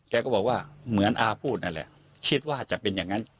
แกก็บอกว่าเหมือนอาพูดนั่นแหละคิดว่าจะเป็นอย่างนั้น